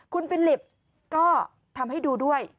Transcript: คุณฟิลิปก็ทำให้ดูด้วย